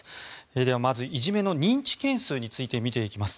ではまずいじめの認知件数について見ていきます。